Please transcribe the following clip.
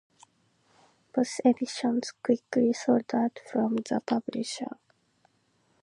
Both editions quickly sold out from the publisher.